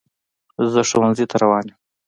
زه ښوونځي ته روان یم.